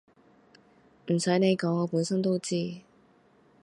唔使你講我本身都知